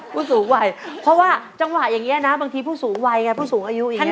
ผู้สูงวัยเพราะว่าจังหวะอย่างนี้นะบางทีผู้สูงวัยไงผู้สูงอายุอย่างนี้